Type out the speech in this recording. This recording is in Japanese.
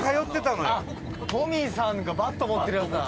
藤ヶ谷：トミーさんがバット持ってるやつだ。